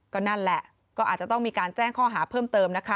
ก็นั่นแหละก็อาจจะต้องมีการแจ้งข้อหาเพิ่มเติมนะคะ